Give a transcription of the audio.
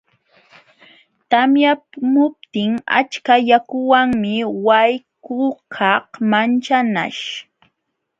Tamyamuptin achka yakuwanmi wayqukaq manchanaśh.